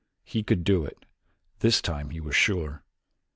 He could do it this time he was sure.